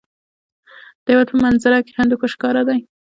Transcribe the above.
د هېواد په منظره کې هندوکش ښکاره دی.